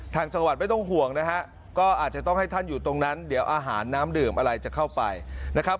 ทางจังหวัดไม่ต้องห่วงนะฮะก็อาจจะต้องให้ท่านอยู่ตรงนั้นเดี๋ยวอาหารน้ำดื่มอะไรจะเข้าไปนะครับ